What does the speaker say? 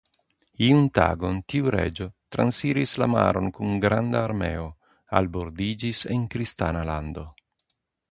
Iun tagon tiu reĝo transiris la maron kun granda armeo, albordiĝis en kristana lando.